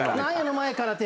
前からて。